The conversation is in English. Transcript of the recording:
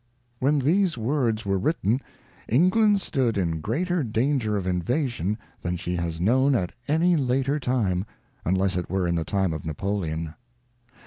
When these words were written England stood in greater danger of invasion than she has known at any later time, unless it were in the time of Napoleon.